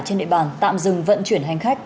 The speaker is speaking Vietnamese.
trên địa bàn tạm dừng vận chuyển hành khách